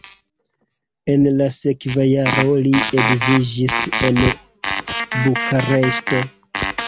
En la sekva jaro li edziĝis en Bukareŝto.